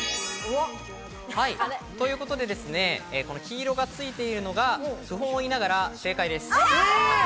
ということで、黄色がついているのが不本意ながら正解です。